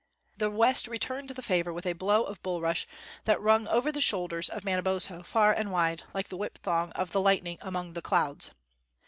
The West returned the favor with a blow of bulrush that rung over the shoulders of Manabozho, far and wide, like the whip thong of the lightning among the clouds.